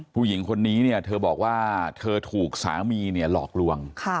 ผู้หญิงคนนี้เธอบอกว่าเธอถูกสามีหลอกลวง